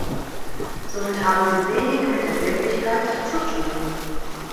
Somit haben sie wenig mit der Wirklichkeit zu tun.